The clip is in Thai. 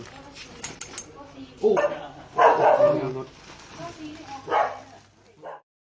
โปรดติดตามตอนต่อไป